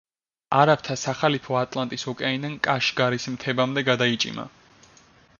არაბთა სახალიფო ატლანტის ოკეანიდან კაშგარის მთებამდე გადაიჭიმა.